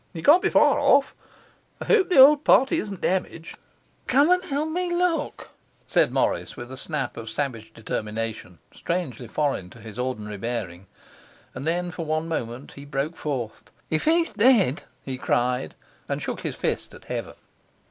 He can't be far off. I hope the old party isn't damaged.' 'Come and help me to look,' said Morris, with a snap of savage determination strangely foreign to his ordinary bearing; and then, for one moment, he broke forth. 'If he's dead!' he cried, and shook his fist at heaven.